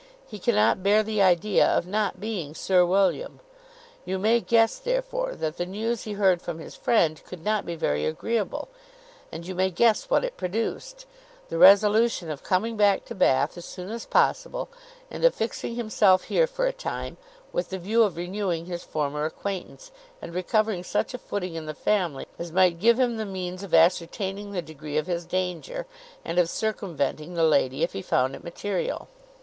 He cannot bear the idea of not being Sir William. You may guess, therefore, that the news he heard from his friend could not be very agreeable, and you may guess what it produced; the resolution of coming back to Bath as soon as possible, and of fixing himself here for a time, with the view of renewing his former acquaintance, and recovering such a footing in the family as might give him the means of ascertaining the degree of his danger, and of circumventing the lady if he found it material.